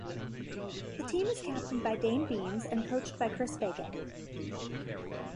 The team is captained by Dayne Beams and coached by Chris Fagan.